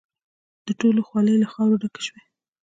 د ټولو خولې له خاورو ډکې شوې.